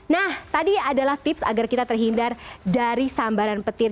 nah tadi adalah tips agar kita terhindar dari sambaran petir